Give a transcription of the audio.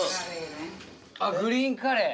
あっグリーンカレー。